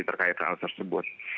terkait soal tersebut